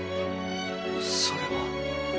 それは。